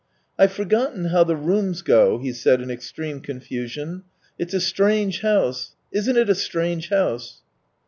" I've forgotten how the rooms go," he said in extreme confusion. " It's a strange house. Isn't it a strange house